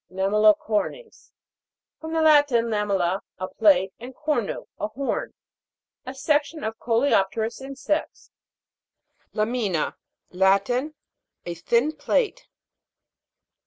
LAMEL'LICORNES. From the Latin, lamella, a plate, and cornu, a horn. A section of coleopterous insects. LA'MINA. Latin. A thin plate.